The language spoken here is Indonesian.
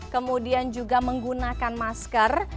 kemudian juga menggunakan masker